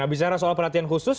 bicara soal perhatian khusus